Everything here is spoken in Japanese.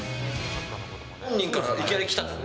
本人からいきなり来た？